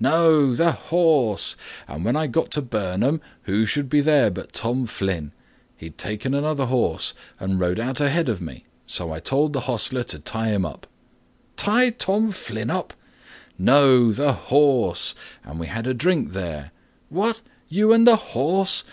"No, the horse; and when I got to Burnham, who should be there but Tom Flynn, he'd taken another horse and rode out ahead of me; so I told the hostler to tie him up." "Tie Tom Flynn up?" "No, the horse; and we had a drink there." "What! you and the horse?"